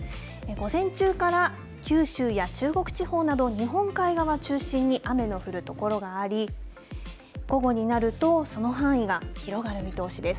午前中から九州や中国地方など、日本海側を中心に雨の降る所があり、午後になると、その範囲が広がる見通しです。